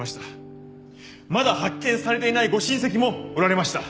まだ発見されていないご親戚もおられました。